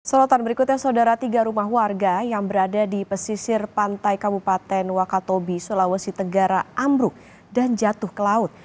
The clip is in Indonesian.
sorotan berikutnya saudara tiga rumah warga yang berada di pesisir pantai kabupaten wakatobi sulawesi tenggara ambruk dan jatuh ke laut